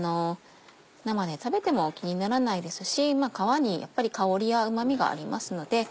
生で食べても気にならないですし皮にやっぱり香りやうまみがありますので。